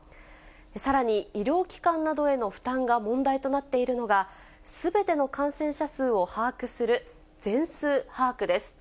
さらに、医療機関などへの負担が問題となっているのが、すべての感染者数を把握する全数把握です。